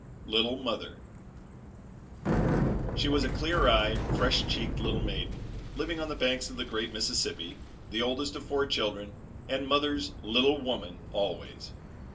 "LITTLE MOTHER" She was a clear eyed, fresh cheeked little maiden, living on the banks of the great Mississippi, the oldest of four children, and mother's "little woman" always.